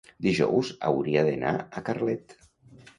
Dijous hauria d'anar a Carlet.